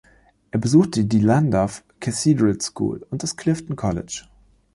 Er besuchte die Llandaff Cathedral School und das Clifton College.